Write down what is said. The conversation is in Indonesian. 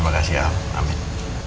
makasih ya al amin